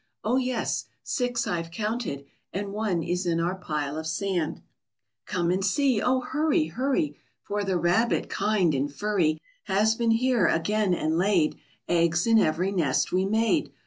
Oh, yes! six I've counted, and One is in our pile of sand. Come and see! Oh, hurry, hurry! For the Rabbit, kind and furry, Has been here again and laid Eggs in every nest we made!